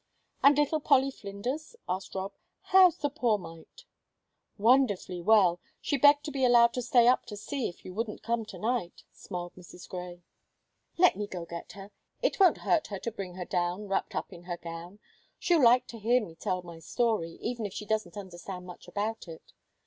"And little Polly Flinders?" asked Rob. "How's the poor mite?" "Wonderfully well; she begged to be allowed to stay up to see if you wouldn't come to night," smiled Mrs. Grey. "Let me go get her; it won't hurt her to bring her down, wrapped up in her gown. She'll like to hear me tell my story, even if she doesn't understand much about it."